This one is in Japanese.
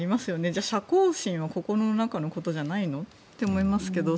じゃあ、射幸心は心の中のことじゃないの？って思いますけど。